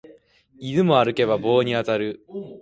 犬も歩けば棒に当たる